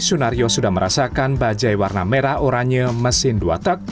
sunario sudah merasakan bajai warna merah oranye mesin dua tak